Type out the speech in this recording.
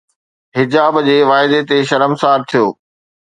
حجاب جي واعدي تي شرمسار ٿيو